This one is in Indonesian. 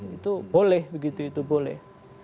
itu boleh begitu itu boleh